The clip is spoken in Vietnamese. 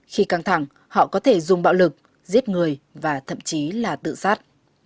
khi căng thẳng họ có thể dùng bạo lực giết người và thậm chí là tự sát